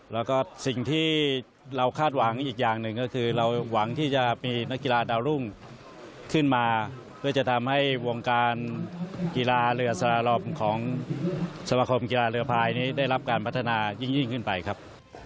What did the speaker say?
แล้วก็สิ่งที่เราคาดหวังอีกอย่างหนึ่งก็คือเราหวังที่จะมีนักกีฬาดาวรุ่งขึ้นมาเพื่อจะทำให้วงการกีฬาเรือสลาลอมของสมคมกีฬาเรือพายนี้ได้รับการพัฒนายิ่งขึ้นไปครับ